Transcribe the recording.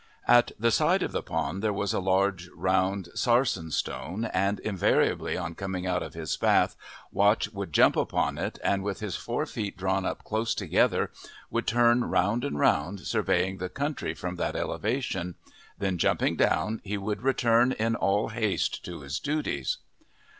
At the side of the pond there was a large, round sarsen stone, and invariably on coming out of his bath Watch would jump upon it, and with his four feet drawn up close together would turn round and round, surveying the country from that elevation; then jumping down he would return in all haste to his duties.